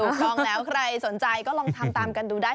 ถูกต้องแล้วใครสนใจก็ลองทำตามกันดูได้